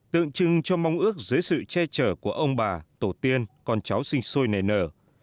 trước dưới sự che trở của ông bà tổ tiên con cháu sinh sôi nề nở